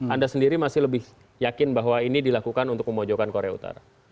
anda sendiri masih lebih yakin bahwa ini dilakukan untuk memojokan korea utara